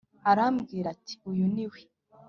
Arambwira ati uyu ni we